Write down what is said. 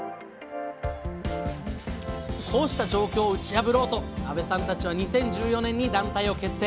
こうした状況を打ち破ろうと阿部さんたちは２０１４年に団体を結成。